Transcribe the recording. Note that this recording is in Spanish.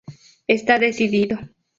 Está decidido.